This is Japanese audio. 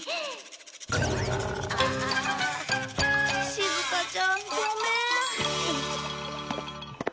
しずかちゃんごめん。